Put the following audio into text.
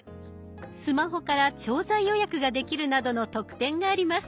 スマホから調剤予約ができるなどの特典があります。